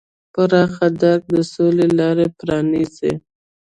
پراخ درک د سولې لاره پرانیزي.